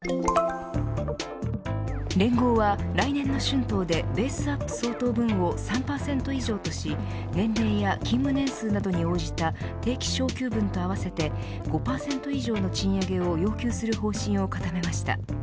連合は来年の春闘でベースアップ相当分を３％以上とし年齢や勤務年数などに応じた定期昇給分と合わせて５％以上の賃上げを要求する方針を固めました。